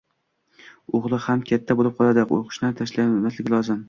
O`g`li ham katta bo`lib qoldi, o`qishini tashlamasligi lozim